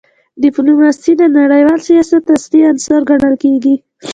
ډیپلوماسي د نړیوال سیاست اصلي عنصر ګڼل کېږي.